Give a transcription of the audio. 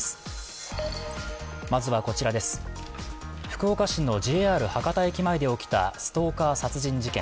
福岡市のＪＲ博多駅前で起きたストーカー殺人事件。